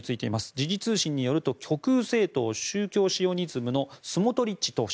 時事通信によりますと極右政党、宗教シオニズムのスモトリッチ党首。